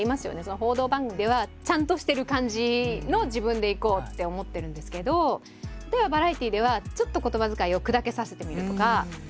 報道番組ではちゃんとしてる感じの自分でいこうって思ってるんですけど例えばバラエティーではちょっと言葉遣いを砕けさせてみるとか。